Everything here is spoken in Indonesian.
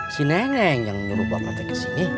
si neneng yang nyuruh bawa kata kesini